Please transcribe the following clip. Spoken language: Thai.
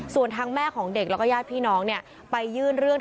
ส่วนทั้งแม่ของเด็กแล้วก็ย่าพี่น้องเนี่ย